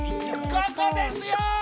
ここですよー！